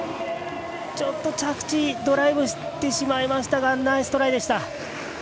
ちょっと着地、ドライブしてしまいましたが、ナイストライでした。